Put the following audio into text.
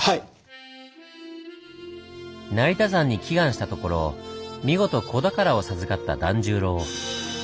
成田山に祈願したところ見事子宝を授かった團十郎。